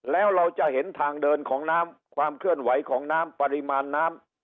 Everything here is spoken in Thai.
แล้วเราจะเห็นทางเดินของน้ำความเคลื่อนไหวของน้ำปริมาณน้ำ